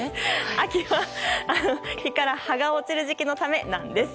秋は木から葉が落ちる時期のためなんです。